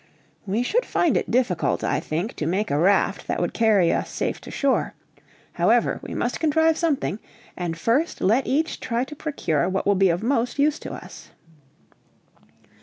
"We should find it difficult, I think, to make a raft that would carry us safe to shore. However, we must contrive something, and first let each try to procure what will be of most use to us."